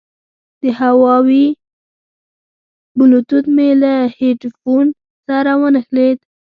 د هوواوي بلوتوت مې له هیډفون سره ونښلید.